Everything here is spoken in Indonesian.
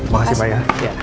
makasih pak ya